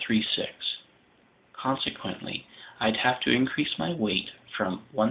Consequently, I'd have to increase my weight from 1,507.